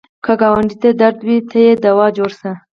که ګاونډي ته درد وي، ته یې دوا جوړ شه